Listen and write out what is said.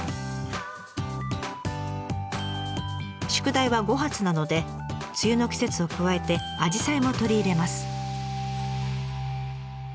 宿題は５発なので梅雨の季節を加えてアジサイも取り入れます。